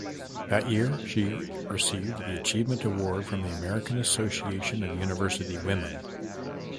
That year, she received the Achievement Award from the American Association of University Women.